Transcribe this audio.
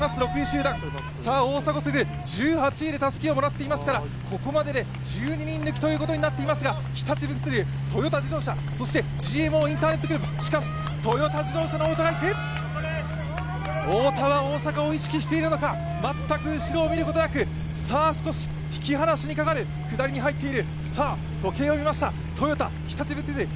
大迫傑、１８位でたすきをもらっていますからここまでで１２人抜きということになっていますから日立物流、トヨタ自動車、ＧＭＯインターネットグループ、しかし、トヨタ自動車の太田がいく太田は大迫を意識しているのか、全く後ろを見ることなく少し引き離しにかかる、下りに入っている。